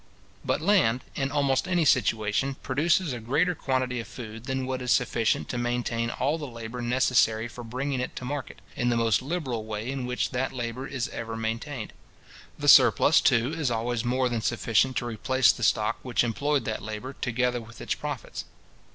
But land, in almost any situation, produces a greater quantity of food than what is sufficient to maintain all the labour necessary for bringing it to market, in the most liberal way in which that labour is ever maintained. The surplus, too, is always more than sufficient to replace the stock which employed that labour, together with its profits.